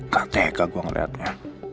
gak tega gua ngeliatnya